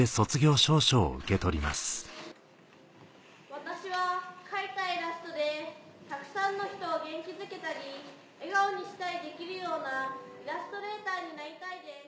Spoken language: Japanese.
私は描いたイラストでたくさんの人を元気づけたり笑顔にしたりできるようなイラストレーターになりたいです。